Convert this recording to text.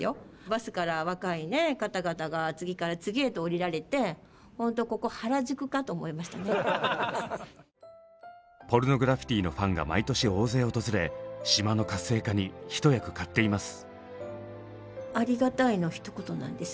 バスから若いね方々が次から次へと降りられてポルノグラフィティのファンが毎年大勢訪れ島の活性化に一役買っています。